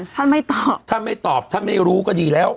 ถ้าไม่ตอบถ้าไม่รู้ก็ดีแล้ว